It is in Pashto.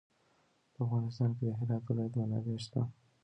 په افغانستان کې د هرات ولایت منابع شته.